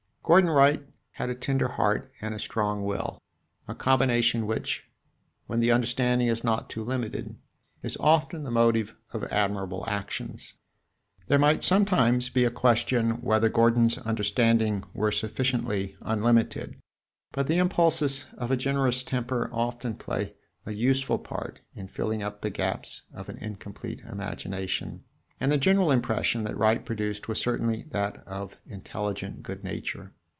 Gordon Wright had a tender heart and a strong will a combination which, when the understanding is not too limited, is often the motive of admirable actions. There might sometimes be a question whether Gordon's understanding were sufficiently unlimited, but the impulses of a generous temper often play a useful part in filling up the gaps of an incomplete imagination, and the general impression that Wright produced was certainly that of intelligent good nature.